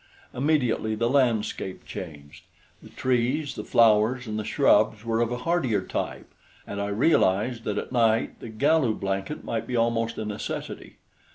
Immediately the landscape changed. The trees, the flowers and the shrubs were of a hardier type, and I realized that at night the Galu blanket might be almost a necessity.